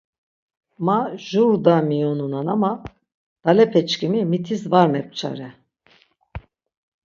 Ma jur da miyonunan ama dalepeçkimi mitis var mepçare.